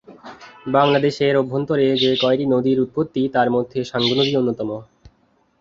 বাংলাদেশের অভ্যন্তরে যে কয়টি নদীর উৎপত্তি তার মধ্যে সাঙ্গু নদী অন্যতম।